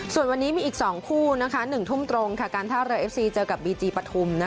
ส่วนวันนี้มีอีก๒คู่๑ทุ่มตรงการท่าเรือเอฟซีเจอกับบีจีปฐุม